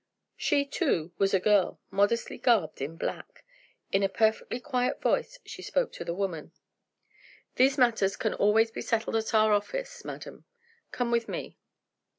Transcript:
She, too, was a girl, modestly garbed in black. In a perfectly quiet voice she spoke to the woman. "These matters can always be settled at our office, madam. Come with me."